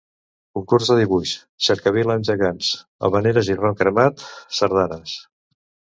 Concurs de dibuix, cercavila amb gegants, havaneres i rom cremat, sardanes.